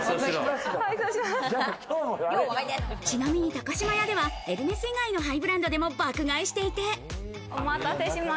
ちなみにタカシマヤではエルメス以外のハイブランドでも爆買いしていて。